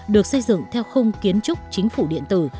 được xây dựng theo khung kiến trúc chính phủ điện tử